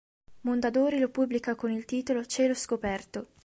Mondadori lo pubblica con il titolo "Cielo Scoperto".